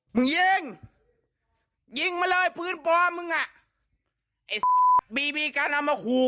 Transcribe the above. มึงยิงงิ้งมาเลยพื้นปอมมึงอะไอ้บีบีกัณฑ์อ๋อมาโหว